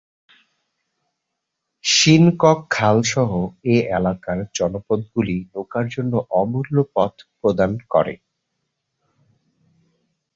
শিনকক খাল সহ এই এলাকার জলপথগুলি নৌকার জন্য অমূল্য পথ প্রদান করে।